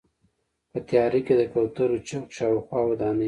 په تیاره کې د کوترو چوک شاوخوا ودانۍ.